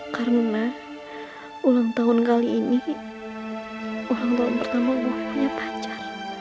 karena ulang tahun kali ini ulang tahun pertama punya pacar